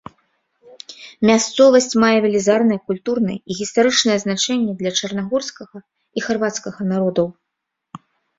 Мясцовасць мае велізарнае культурнае і гістарычнае значэнне для чарнагорскага і харвацкага народаў.